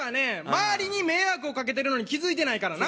周りに迷惑を掛けてるのに気付いてないからな。